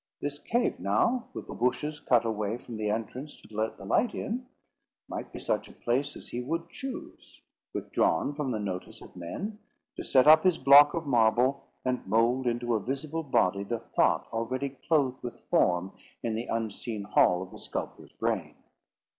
"This cave, now, with the bushes cut away from the entrance to let the light in, might be such a place as he would choose, withdrawn from the notice of men, to set up his block of marble, and mould into a visible body the thought already clothed with form in the unseen hall of the sculptor's brain.